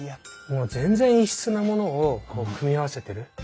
もう全然異質なものをこう組み合わせてる。